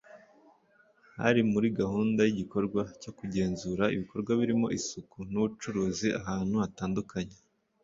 Hari muri gahunda y’igikorwa cyo kugenzura ibikorwa birimo isuku n’ubucuruzi ahantu hatandukanye